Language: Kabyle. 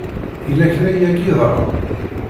Yella kra i ak-yeḍran?